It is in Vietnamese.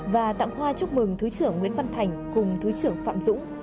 và tặng hoa chúc mừng thứ trưởng nguyễn văn thành cùng thứ trưởng phạm dũng